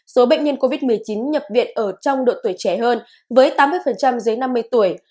số bệnh nhân covid một mươi chín nhập viện ở trong độ tuổi trẻ hơn với tám mươi dưới năm mươi tuổi